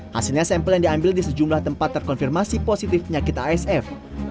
hasilnya sampel yang diambil di sejumlah tempat terkonfirmasi positif penyakit asf